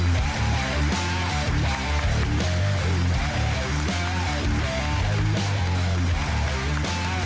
อยู่ตรงนี้แล้วจะได้กลิ่นนะ